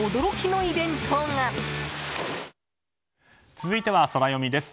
続いては、ソラよみです。